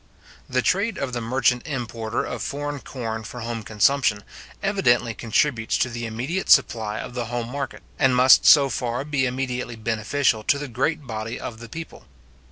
The trade of the merchant importer of foreign corn for home consumption, evidently contributes to the immediate supply of the home market, and must so far be immediately beneficial to the great body of the people.